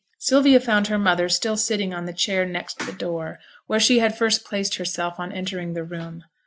Sylvia found her mother still sitting on the chair next the door, where she had first placed herself on entering the room.